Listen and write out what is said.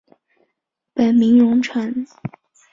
本名融成。